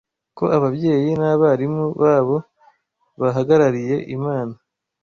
ko ababyeyi n’abarimu babo bahagarariye Imana